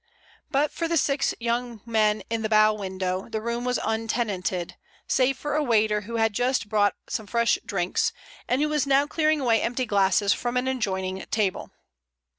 But for the six young men in the bow window the room was untenanted, save for a waiter who had just brought some fresh drinks, and who was now clearing away empty glasses from an adjoining table.